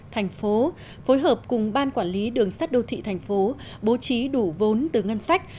tp hcm phối hợp cùng ban quản lý đường sát đô thị tp hcm bố trí đủ vốn từ ngân sách